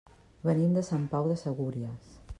Venim de Sant Pau de Segúries.